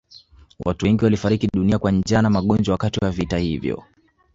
Watu wengi walifariki dunia kwa njaa na magonjwa wakati wa vita hivyo